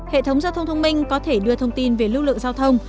hệ thống giao thông thông minh có thể đưa thông tin về lưu lượng giao thông